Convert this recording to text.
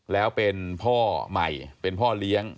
แล้วเป็นพ่อใหม่เป็นพ่อเลี้ยง